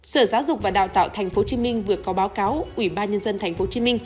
sở giáo dục và đào tạo tp hcm vừa có báo cáo ubnd tp hcm